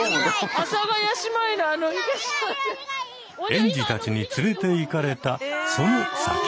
園児たちに連れていかれたその先に。